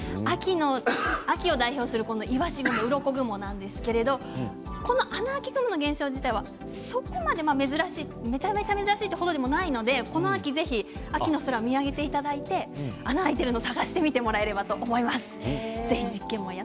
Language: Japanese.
秋を代表するいわし雲、うろこ雲なんですけどこの穴あき雲現象実態はそこまで珍しいめちゃめちゃ珍しいというものでもないのでこの秋秋の空見上げていただいて穴があいているの探してみてもらえればと思います。